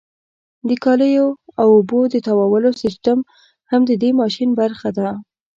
د کالیو او اوبو د تاوولو سیستم هم د دې ماشین برخه ده.